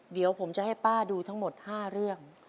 เดี๋ยวผมจะให้ป้าดูทั้งหมด๕เรื่อง